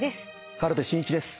軽部真一です。